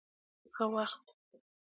ښه وخت.